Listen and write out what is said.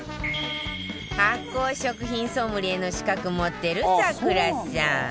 発酵食品ソムリエの資格持ってる咲楽さん